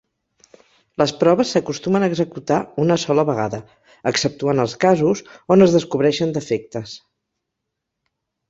Les proves s'acostumen a executar una sola vegada, exceptuant els casos on es descobreixen defectes.